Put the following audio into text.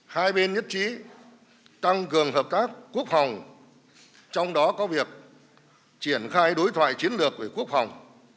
hai bên nhất trí tăng cường hợp tác quốc phòng trong đó có việc triển khai đối thoại chiến lược về quốc phòng